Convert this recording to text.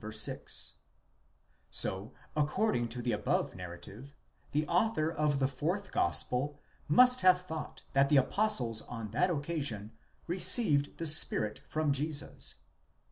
6), so, according to the above narra tive, the author of the fourth gospel must have thought that the Apostles on that occasion received the Spirit from Jesus.